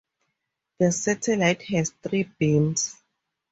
The satellite has three beams.